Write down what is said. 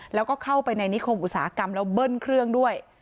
แล้วก็เข้าไปในนิคมอุตสาหกรรมแล้วเบิ้ลเครื่องด้วย